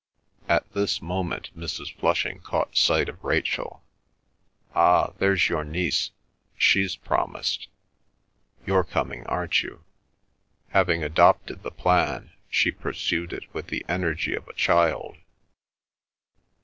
At this moment Mrs. Flushing caught sight of Rachel. "Ah, there's your niece. She's promised. You're coming, aren't you?" Having adopted the plan, she pursued it with the energy of a child.